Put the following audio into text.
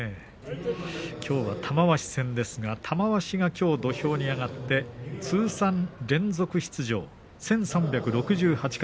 きょうは玉鷲戦ですが玉鷲はきょう土俵に上がって通算連続出場１３６８回。